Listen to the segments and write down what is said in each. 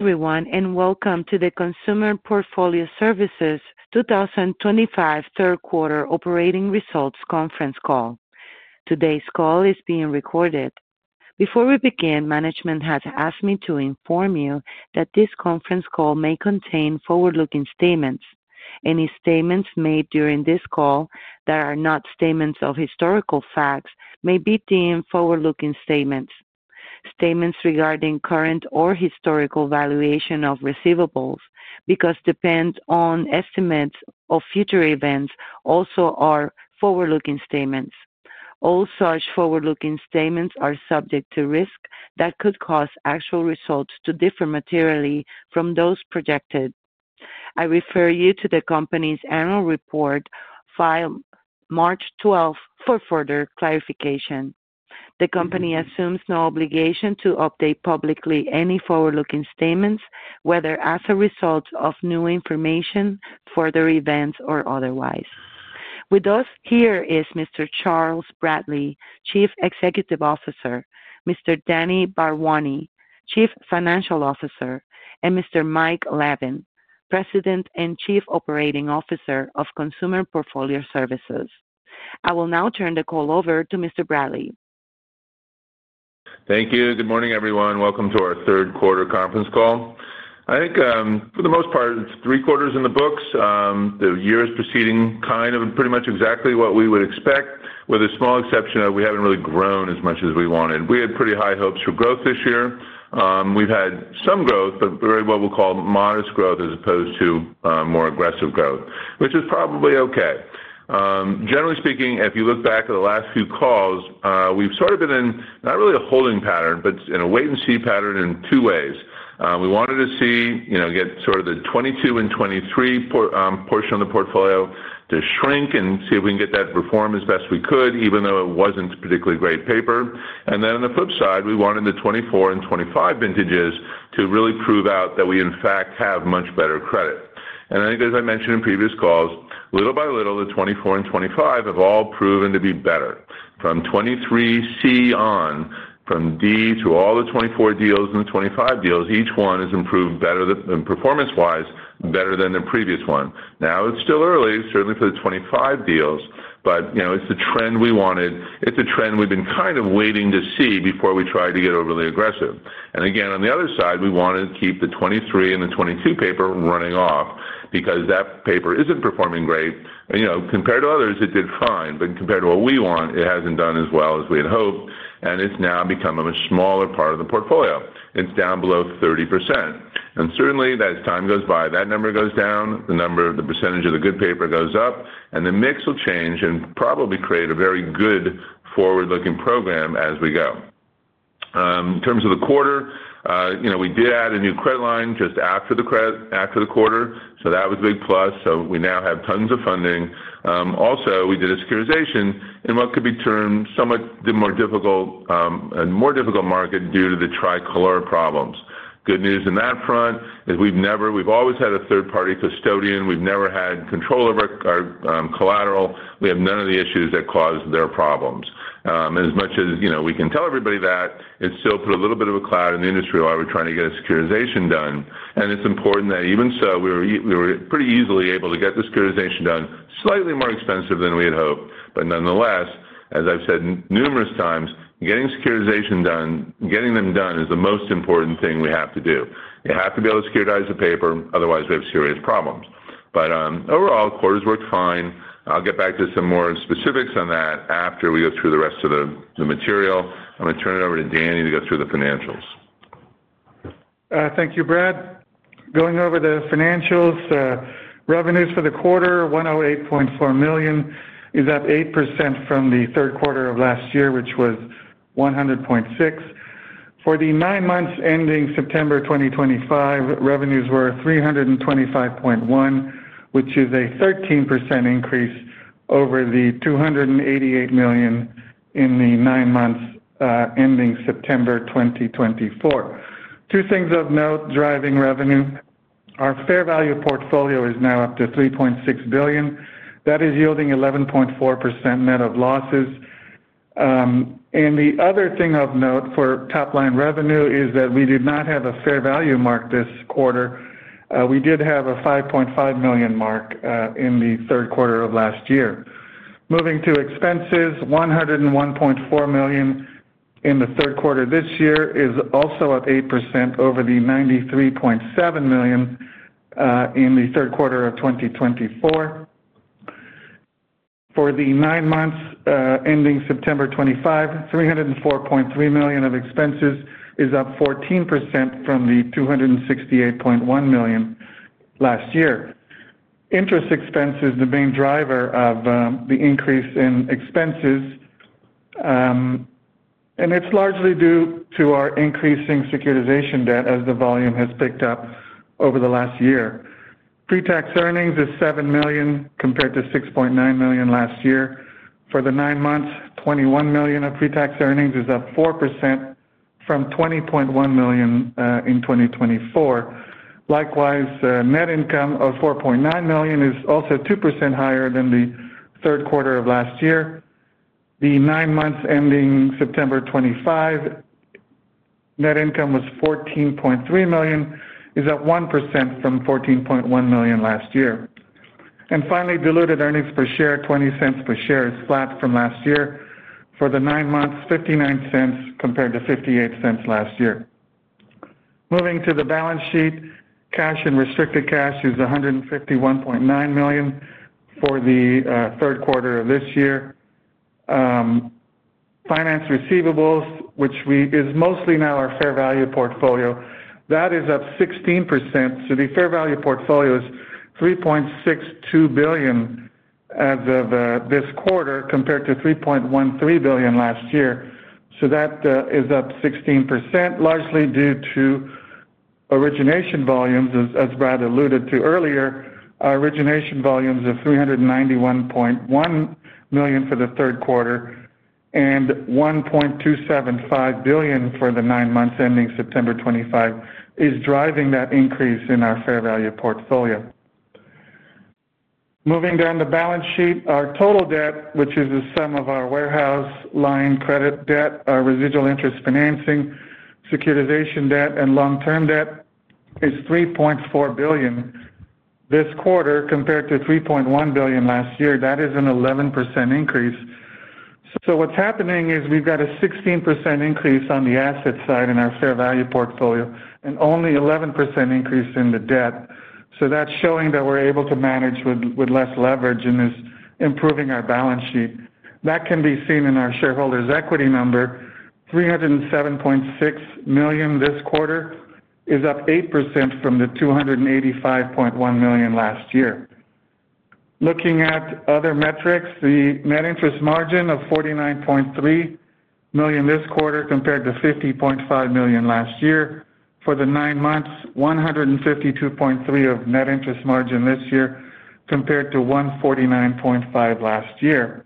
Everyone, and welcome to the Consumer Portfolio Services 2025 Third Quarter Operating Results Conference Call. Today's call is being recorded. Before we begin, management has asked me to inform you that this Conference Call may contain forward-looking statements. Any statements made during this call that are not statements of historical facts may be deemed forward-looking statements. Statements regarding current or historical valuation of receivables, because depend on estimates of future events, also are forward-looking statements. All such forward-looking statements are subject to risk that could cause actual results to differ materially from those projected. I refer you to the company's annual report filed March 12 for further clarification. The company assumes no obligation to update publicly any forward-looking statements, whether as a result of new information, further events, or otherwise. With us here is Mr. Charles Bradley, Chief Executive Officer; Mr. Danny Bharwani, Chief Financial Officer; and Mr. Mike Lavin, President and Chief Operating Officer of Consumer Portfolio Services. I will now turn the call over to Mr. Bradley. Thank you. Good morning, everyone. Welcome to our Third Quarter Conference Call. I think, for the most part, it is three quarters in the books. The year is proceeding kind of pretty much exactly what we would expect, with a small exception that we have not really grown as much as we wanted. We had pretty high hopes for growth this year. We have had some growth, but very, what we will call, modest growth as opposed to more aggressive growth, which is probably okay. Generally speaking, if you look back at the last few calls, we have sort of been in not really a holding pattern, but in a wait-and-see pattern in two ways. We wanted to see, get sort of the 2022 and 2023 portion of the portfolio to shrink and see if we can get that reform as best we could, even though it was not a particularly great paper. On the flip side, we wanted the 2024 and 2025 vintages to really prove out that we, in fact, have much better credit. I think, as I mentioned in previous calls, little by little, the 2024 and 2025 have all proven to be better. From 2023C on, from D through all the 2024 deals and the 2025 deals, each one has improved, better performance-wise, better than the previous one. It is still early, certainly for the 2025 deals, but it is the trend we wanted. It is a trend we have been kind of waiting to see before we tried to get overly aggressive. Again, on the other side, we wanted to keep the 2023 and the 2022 paper running off because that paper is not performing great. Compared to others, it did fine, but compared to what we want, it has not done as well as we had hoped, and it is now become a smaller part of the portfolio. It is down below 30%. Certainly, as time goes by, that number goes down, the percentage of the good paper goes up, and the mix will change and probably create a very good forward-looking program as we go. In terms of the quarter, we did add a New Credit Line just after the quarter, so that was a Big Plus. We now have tons of funding. Also, we did a Securitization in what could be termed somewhat more difficult and more difficult market due to the Tricolor problems. Good news on that front is we have always had a 3rd-party custodian. We have never had control over our collateral. We have none of the issues that caused their problems. As much as we can tell everybody that, it still put a little bit of a cloud in the industry while we're trying to get a Securitization done. It's important that even so, we were pretty easily able to get the Securitization done, slightly more expensive than we had hoped. Nonetheless, as I've said numerous times, getting Securitization done, getting them done is the most important thing we have to do. You have to be able to securitize the paper, otherwise we have serious problems. Overall, quarters worked fine. I'll get back to some more specifics on that after we go through the rest of the material. I'm going to turn it over to Danny to go through the financials. Thank you, Brad. Going over the financials, revenues for the quarter, $108.4 million, is up 8% from the 3rd quarter of last year, which was $100.6 million. For the nine months ending September 2025, revenues were $325.1 million, which is a 13% increase over the $288 million in the nine months ending September 2024. Two things of Note Driving Revenue. Our Fair Value Portfolio is now up to $3.6 billion. That is yielding 11.4% net of losses. The other thing of note for top-line revenue is that we did not have a fair value mark this quarter. We did have a $5.5 million mark in the 3rd quarter of last year. Moving to expenses, $101.4 million in the 3rd quarter this year is also up 8% over the $93.7 million in the 3rd quarter of 2024. For the nine months ending September 25, $304.3 million of expenses is up 14% from the $268.1 million last year. Interest expense is the main driver of the increase in expenses, and it's largely due to our increasing Securitization debt as the volume has picked up over the last year. Pretax earnings is $7 million compared to $6.9 million last year. For the nine months, $21 million of pretax earnings is up 4% from $20.1 million in 2024. Likewise, net income of $4.9 million is also 2% higher than the 3rd quarter of last year. The nine months ending September 25, net income was $14.3 million, is up 1% from $14.1 million last year. Finally, diluted earnings per share, $0.20 per share, is flat from last year. For the nine months, $0.59 compared to $0.58 last year. Moving to the Balance Sheet, cash and restricted cash is $151.9 million for the third quarter of this year. Finance receivables, which is mostly now our Fair Value Portfolio, that is up 16%. So the Fair Value Portfolio is $3.62 billion as of this quarter compared to $3.13 billion last year. That is up 16%, largely due to origination volumes, as Brad alluded to earlier. Our origination volumes of $391.1 million for the third quarter and $1.275 billion for the nine months ending September 25 is driving that increase in our Fair Value Portfolio. Moving down the Balance Sheet, our total debt, which is the sum of our Warehouse Line Credit Debt, our Residual Interest Financing, Securitization debt, and long-term debt is $3.4 billion this quarter compared to $3.1 billion last year. That is an 11% increase. What's happening is we've got a 16% increase on the asset side in our Fair Value Portfolio and only an 11% increase in the debt. That's showing that we're able to manage with less leverage and is improving our Balance Sheet. That can be seen in our shareholders' equity number. $307.6 million this quarter is up 8% from the $285.1 million last year. Looking at other metrics, the net interest margin of $49.3 million this quarter compared to $50.5 million last year. For the nine months, $152.3 million of net interest margin this year compared to $149.5 million last year.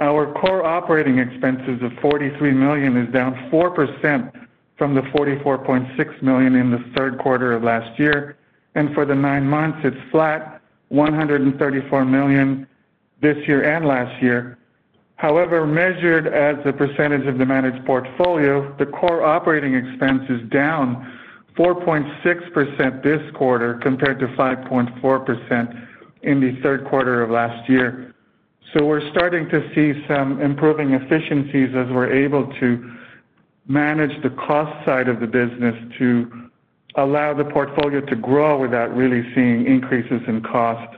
Our core operating expenses of $43 million is down 4% from the $44.6 million in the third quarter of last year. For the nine months, it's flat, $134 million this year and last year. However, measured as a percentage of the managed portfolio, the core operating expense is down 4.6% this quarter compared to 5.4% in the third quarter of last year. We are starting to see some improving efficiencies as we are able to manage the cost side of the business to allow the portfolio to grow without really seeing increases in cost.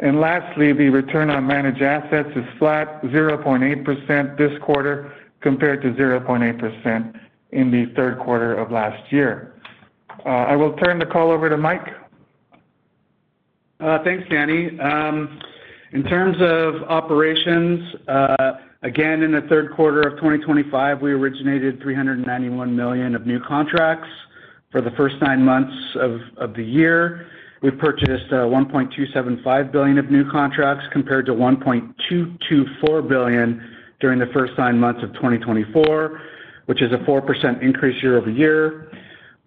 Lastly, the return on managed assets is flat, 0.8% this quarter compared to 0.8% in the 3rd quarter of last year. I will turn the call over to Mike. Thanks, Danny. In terms of operations, again, in the third quarter of 2025, we originated $391 million of new contracts. For the 1st nine months of the year, we purchased $1.275 billion of new contracts compared to $1.224 billion during the 1st nine months of 2024, which is a 4% increase year-over-year.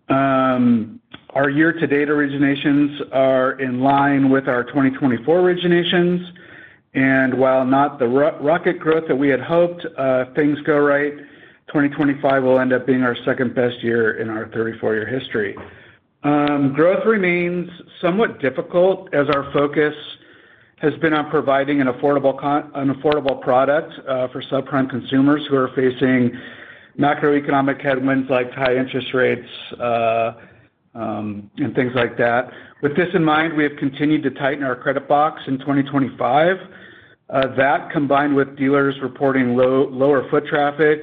Our year-to-date originations are in line with our 2024 originations. While not the rocket growth that we had hoped, if things go right, 2025 will end up being our 2nd best year in our 34-year history. Growth remains somewhat difficult as our focus has been on providing an affordable product for subprime consumers who are facing macroeconomic headwinds like high interest rates and things like that. With this in mind, we have continued to tighten our Credit Box in 2025. That, combined with dealers reporting lower foot traffic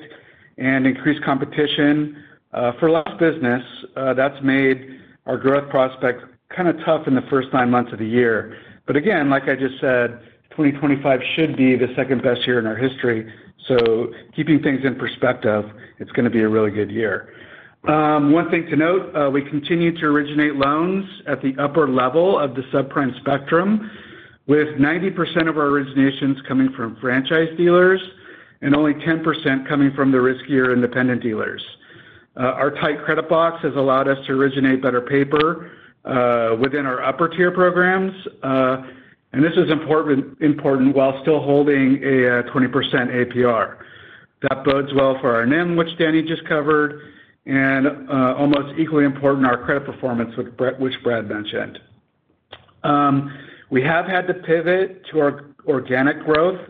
and increased competition for less business, has made our growth prospect kind of tough in the first nine months of the year. Like I just said, 2025 should be the 2nd best year in our history. Keeping things in perspective, it is going to be a really good year. One thing to note, we continue to originate loans at the upper level of the Subprime Spectrum, with 90% of our originations coming from franchise dealers and only 10% coming from the riskier Independent Dealers. Our tight Credit Box has allowed us to originate better paper within our upper-tier programs. This is important while still holding a 20% APR. That bodes well for our NIM, which Danny just covered, and almost equally important, our credit performance, which Brad mentioned. We have had to pivot to organic growth,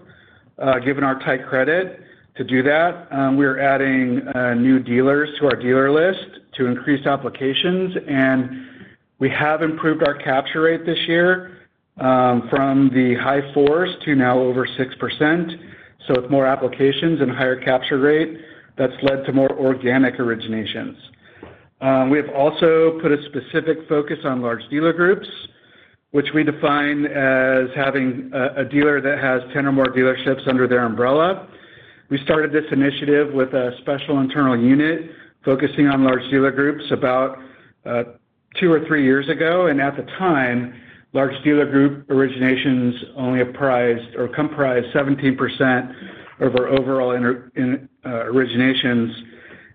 given our tight credit. To do that, we are adding new dealers to our dealer list to increase applications. We have improved our capture rate this year from the high fours to now over 6%. With more applications and a higher capture rate, that has led to more organic originations. We have also put a specific focus on large dealer groups, which we define as having a dealer that has 10 or more dealerships under their umbrella. We started this initiative with a Special Internal Unit focusing on large dealer groups about two or three years ago. At the time, large dealer group originations only comprised 17% of our overall originations.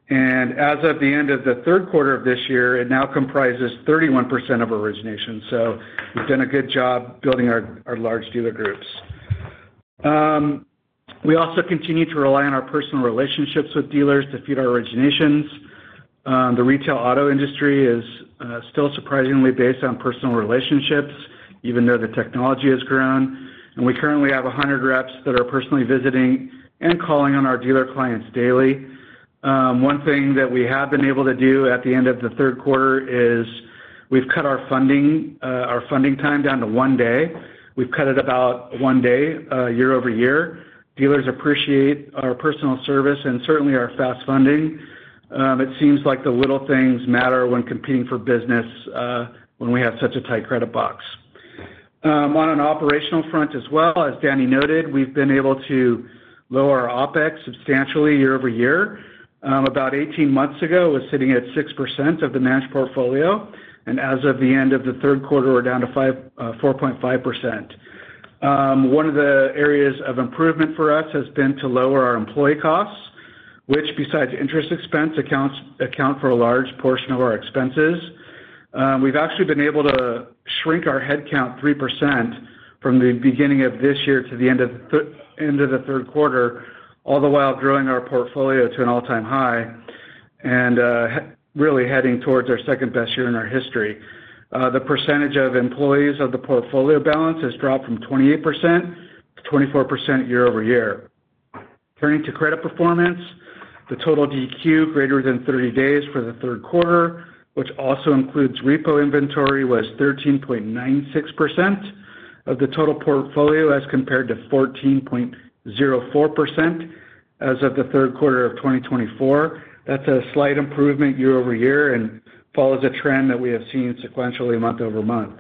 As of the end of the 3rd quarter of this year, it now comprises 31% of our originations. We have done a good job building our large dealer groups. We also continue to rely on our personal relationships with dealers to feed our originations. The retail auto industry is still surprisingly based on personal relationships, even though the technology has grown. We currently have 100 reps that are personally visiting and calling on our dealer clients daily. One thing that we have been able to do at the end of the 3rd quarter is we have cut our funding time down to one day. We have cut it about one day year-over-year. Dealers appreciate our personal service and certainly our fast funding. It seems like the little things matter when competing for business when we have such a tight Credit Box. On an operational front as well, as Danny noted, we have been able to lower our OpEx substantially year-over-year. About 18 months ago, it was sitting at 6% of the managed portfolio. As of the end of the 3rd quarter, we're down to 4.5%. One of the areas of improvement for us has been to lower our employee costs, which, besides interest expense, account for a large portion of our expenses. We've actually been able to shrink our headcount 3% from the beginning of this year to the end of the 3rd quarter, all the while growing our portfolio to an all-time high and really heading towards our 2nd-best year in our history. The percentage of employees of the portfolio balance has dropped from 28%-24% year-over-year. Turning to credit performance, the total DQ greater than 30 days for the 3rd quarter, which also includes Repo Inventory, was 13.96% of the total portfolio as compared to 14.04% as of the 3rd quarter of 2024. That's a slight improvement year-over-year and follows a trend that we have seen sequentially month over month.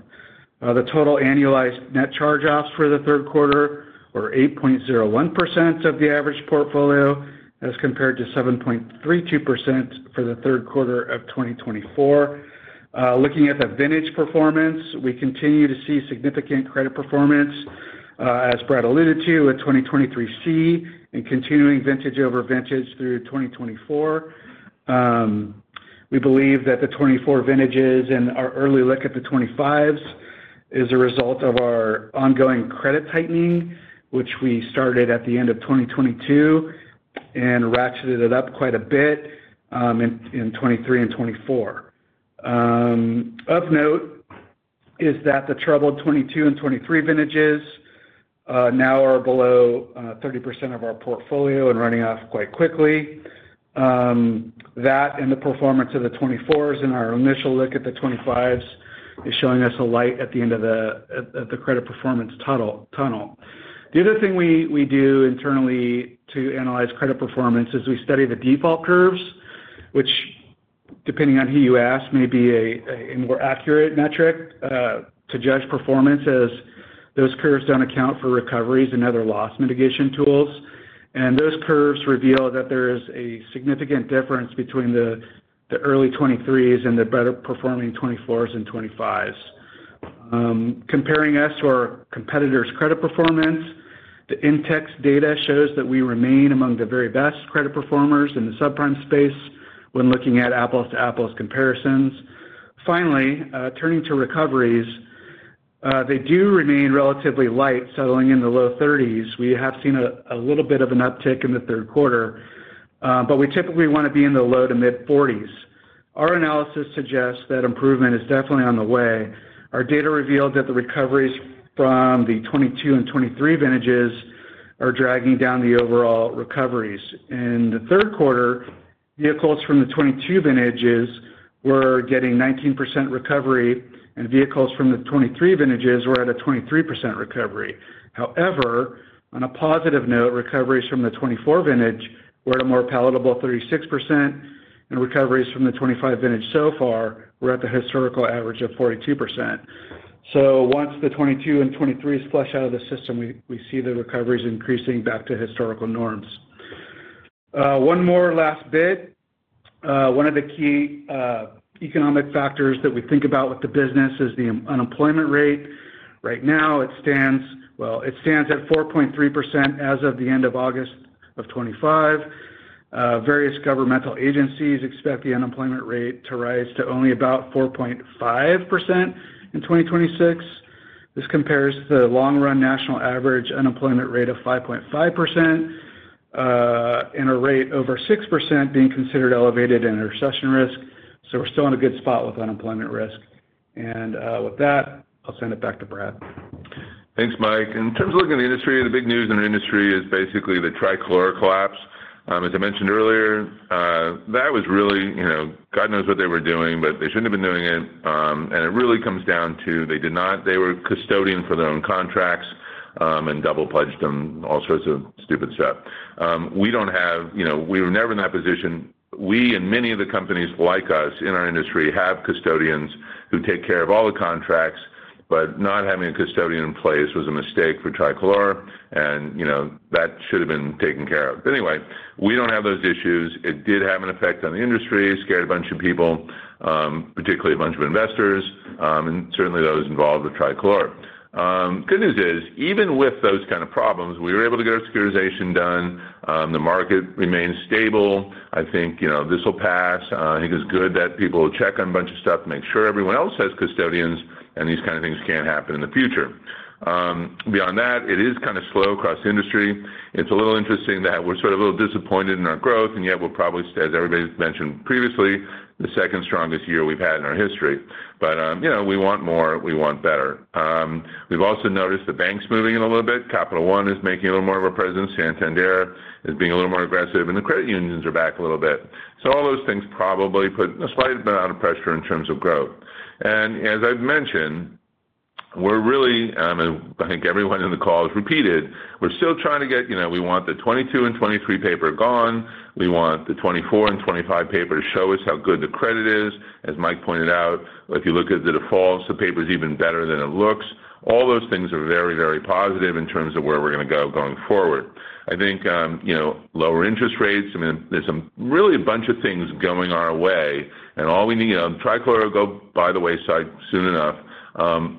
The total annualized net charge-offs for the 3rd quarter were 8.01% of the average portfolio as compared to 7.32% for the 3rd quarter of 2024. Looking at the vintage performance, we continue to see significant credit performance, as Brad alluded to, with 2023C and continuing vintage over vintage through 2024. We believe that the 2024 vintages and our early look at the 2025s is a result of our ongoing credit tightening, which we started at the end of 2022 and ratcheted it up quite a bit in 2023 and 2024. Of note is that the troubled 2022 and 2023 vintages now are below 30% of our portfolio and running off quite quickly. That and the performance of the 2024s and our initial look at the 2025s is showing us a light at the end of the credit performance tunnel. The other thing we do internally to analyze credit performance is we study the default curves, which, depending on who you ask, may be a more accurate metric to judge performance as those curves do not account for recoveries and other loss mitigation tools. Those curves reveal that there is a significant difference between the early 2023s and the better-performing 2024s and 2025s. Comparing us to our competitors' credit performance, the index data shows that we remain among the very best credit performers in the Sub-Prime Space when looking at Apples-to-apples comparisons. Finally, turning to recoveries, they do remain relatively light, settling in the low 30s. We have seen a little bit of an uptick in the 3rd quarter, but we typically want to be in the low to mid-40s. Our analysis suggests that improvement is definitely on the way. Our data revealed that the recoveries from the 2022 and 2023 vintages are dragging down the overall recoveries. In the 3rd quarter, vehicles from the 2022 vintages were getting 19% recovery, and vehicles from the 2023 vintages were at a 23% recovery. However, on a positive note, recoveries from the 2024 vintage were at a more palatable 36%, and recoveries from the 2025 vintage so far were at the historical average of 42%. Once the 2022 and 2023s flush out of the system, we see the recoveries increasing back to historical norms. One more last bit. One of the key economic factors that we think about with the business is the unemployment rate. Right now, it stands at 4.3% as of the end of August of 2025. Various governmental agencies expect the unemployment rate to rise to only about 4.5% in 2026. This compares to the long-run national average unemployment rate of 5.5% and a rate over 6% being considered elevated in recession risk. We are still in a good spot with unemployment risk. With that, I'll send it back to Brad. Thanks, Mike. In terms of looking at the industry, the big news in the industry is basically the Tricolor collapse. As I mentioned earlier, that was really God knows what they were doing, but they shouldn't have been doing it. It really comes down to they were custodian for their own contracts and double-pledged them, all sorts of stupid stuff. We don't have, we were never in that position. We and many of the companies like us in our industry have custodians who take care of all the contracts, but not having a custodian in place was a mistake for Tricolor and that should have been taken care of. Anyway, we don't have those issues. It did have an effect on the industry, scared a bunch of people, particularly a bunch of investors, and certainly those involved with Tricolor. Good news is, even with those kinds of problems, we were able to get our Securitization done. The market remains stable. I think this will pass. I think it's good that people check on a bunch of stuff to make sure everyone else has custodians and these kinds of things can't happen in the future. Beyond that, it is kind of slow across the industry. It's a little interesting that we're sort of a little disappointed in our growth, and yet we're probably, as everybody's mentioned previously, the second strongest year we've had in our history. We want more. We want better. We've also noticed the banks moving in a little bit. Capital One is making a little more of a presence. Santander is being a little more aggressive, and the Credit Unions are back a little bit. All those things probably put a slight amount of pressure in terms of growth. As I've mentioned, we're really, and I think everyone in the call has repeated, we're still trying to get, we want the 2022 and 2023 paper gone. We want the 2024 and 2025 paper to show us how good the credit is. As Mike pointed out, if you look at the defaults, the paper is even better than it looks. All those things are very, very positive in terms of where we're going to go going forward. I think lower interest rates, I mean, there's really a bunch of things going our way. All we need, Tricolor will go by the wayside soon enough.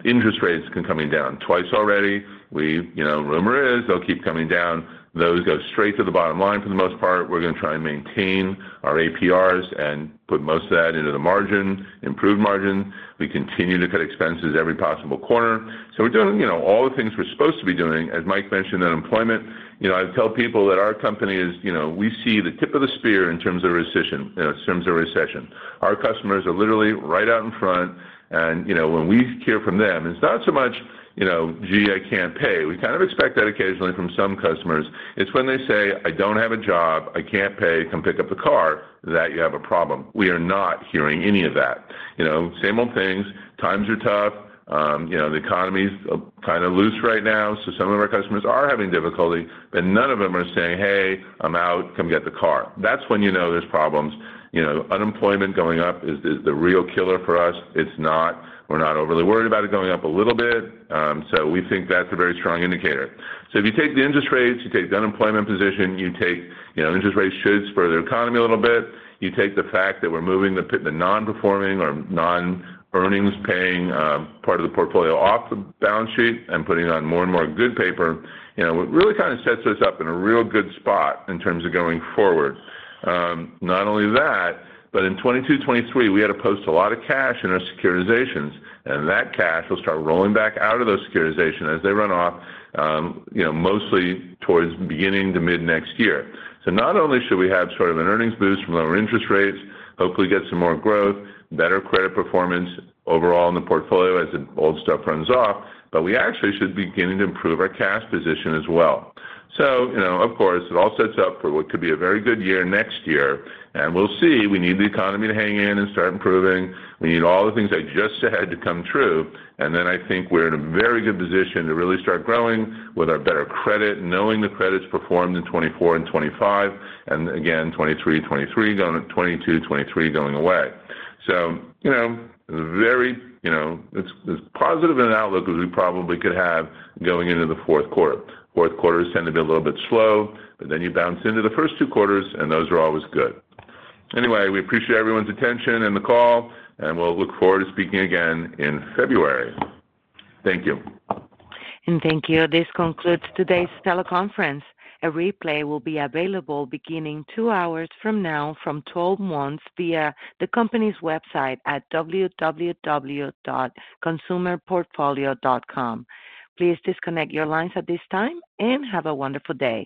Interest rates have been coming down twice already. Rumor is they'll keep coming down. Those go straight to the bottom line for the most part. We're going to try and maintain our APRs and put most of that into the margin, improved margin. We continue to cut expenses every possible corner. We're doing all the things we're supposed to be doing. As Mike mentioned, unemployment, I tell people that our company is we see the tip of the spear in terms of recession. Our customers are literally right out in front. When we hear from them, it's not so much, "Gee, I can't pay." We kind of expect that occasionally from some customers. It's when they say, "I don't have a job. I can't pay. Come pick up the car," that you have a problem. We are not hearing any of that. Same old things. Times are tough. The economy is kind of loose right now. Some of our customers are having difficulty, but none of them are saying, "Hey, I'm out. Come get the car." That's when you know there's problems. Unemployment going up is the real killer for us. It's not. We're not overly worried about it going up a little bit. We think that's a very strong indicator. If you take the interest rates, you take the unemployment position, you take interest rates should spur the economy a little bit. You take the fact that we're moving the non-performing or non-earnings-paying part of the portfolio off the Balance Sheet and putting on more and more good paper, it really kind of sets us up in a real good spot in terms of going forward. Not only that, but in 2022, 2023, we had to post a lot of cash in our Securitizations. That cash will start rolling back out of those Securitizations as they run off, mostly towards the beginning to mid next year. Not only should we have sort of an earnings boost from lower interest rates, hopefully get some more growth, better credit performance overall in the portfolio as the old stuff runs off, but we actually should be beginning to improve our cash position as well. Of course, it all sets up for what could be a very good year next year. We will see. We need the economy to hang in and start improving. We need all the things I just said to come true. I think we are in a very good position to really start growing with our better credit, knowing the credits performed in 2024 and 2025, and again, 2023, 2023, 2022, 2023 going away. It is as positive an outlook as we probably could have going into the 4th quarter. 4th quarters tend to be a little bit slow, but then you bounce into the 1st two quarters, and those are always good. Anyway, we appreciate everyone's attention and the call, and we'll look forward to speaking again in February. Thank you. Thank you. This concludes today's teleconference. A replay will be available beginning two hours from now for 12 months via the company's website at www.consumerportfolio.com. Please disconnect your lines at this time and have a wonderful day.